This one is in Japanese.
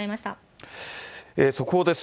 速報です。